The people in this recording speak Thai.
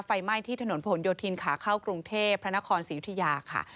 ไฟไหม้ที่ถนนผลโยธินขาเข้ากรุงเทพพระนครศรียุธยาค่ะ